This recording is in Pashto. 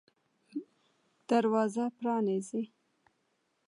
دروازه پرانیزئ